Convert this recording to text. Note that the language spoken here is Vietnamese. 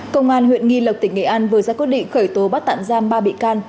công an huyện nghi lộc tỉnh nghệ an vừa ra quyết định khởi tố bắt tạm giam ba bị can